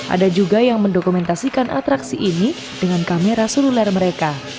ada juga yang mendokumentasikan atraksi ini dengan kamera seluler mereka